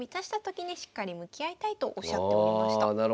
あなるほど。